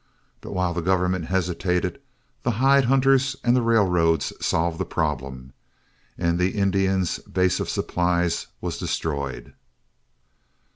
But while the government hesitated, the hide hunters and the railroads solved the problem, and the Indian's base of supplies was destroyed.